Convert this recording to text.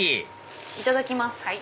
いただきます！